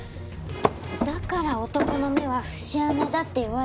だから男の目は節穴だって言われるんですよ。